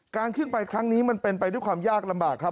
การขึ้นไปครั้งนี้มันเป็นไปด้วยความยากลำบากครับ